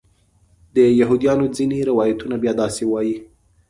د یهودیانو ځینې روایتونه بیا داسې وایي.